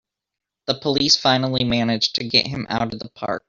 The police finally manage to get him out of the park!